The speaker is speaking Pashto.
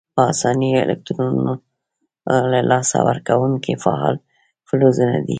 په آساني الکترونونه له لاسه ورکونکي فعال فلزونه دي.